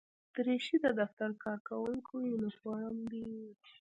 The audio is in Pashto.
دریشي د دفتر کارکوونکو یونیفورم وي.